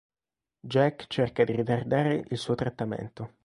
Jack cerca di ritardare il suo trattamento.